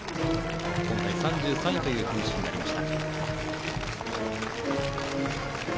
今回、３３位というフィニッシュになりました。